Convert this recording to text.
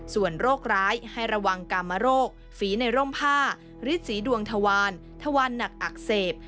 ส่วนโรคร้ายให้ระวังกรรมโรคฝีในร่มผ้าฤทธีดวงทวารทวานหนักอักเสบ